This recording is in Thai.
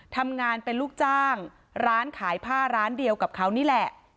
ทำงานเป็นลูกจ้างร้านขายผ้าร้านเดียวกับเขานี่แหละ